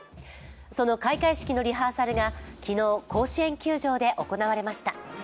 その開会式のリハーサルが昨日、甲子園球場で行われました。